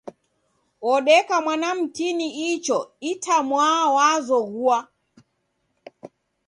Odeka mwana mtini ichoo itwamwaa w'azoghoua